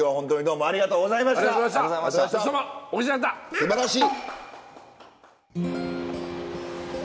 すばらしい！